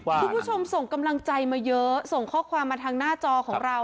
คุณผู้ชมส่งกำลังใจมาเยอะส่งข้อความมาทางหน้าจอของเรา